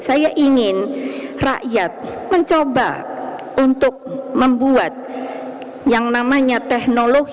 saya ingin rakyat mencoba untuk membuat yang namanya teknologi